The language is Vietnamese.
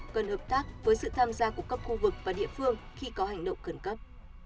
cần hợp tác với sự tham gia của các khu vực và địa phương khi có hành động khẩn cấp